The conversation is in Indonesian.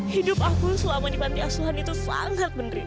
hidup aku selama di panti asuhan itu sangat menderita